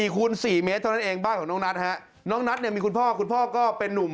คูณ๔เมตรเท่านั้นเองบ้านของน้องนัทฮะน้องนัทเนี่ยมีคุณพ่อคุณพ่อก็เป็นนุ่ม